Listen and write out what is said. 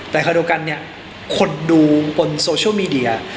แต่ค่อยโดยกันคนดูบนโซเชียลมีเดีย